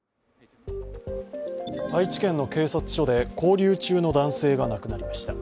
愛知県の警察署で勾留中の男性が亡くなりました。